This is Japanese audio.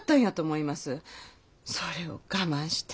それを我慢して。